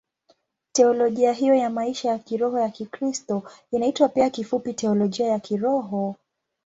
Teolojia hiyo ya maisha ya kiroho ya Kikristo inaitwa pia kifupi Teolojia ya Kiroho.